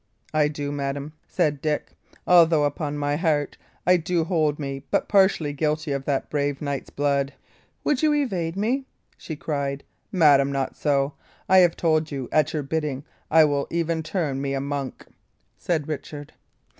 "I do, madam," said Dick. "Although, upon my heart, I do hold me but partially guilty of that brave knight's blood." "Would ye evade me?" she cried. "Madam, not so. I have told you; at your bidding, I will even turn me a monk," said Richard.